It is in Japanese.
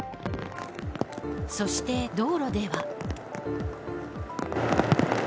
そして道路では。